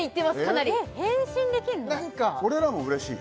なんか俺らもうれしい？